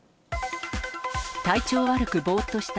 体調悪くぼーっとした。